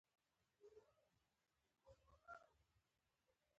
ښکاري د چاپېریال بدلونونه ژر درک کوي.